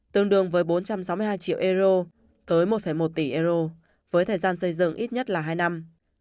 tương đương với bốn trăm sáu mươi hai triệu euro tới một một tỷ euro với thời gian xây dựng ít nhất là hai năm